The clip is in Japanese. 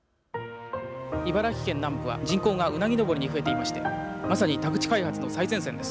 茨城県南部は人口がうなぎ登りに増えていましてまさに宅地開発の最前線です。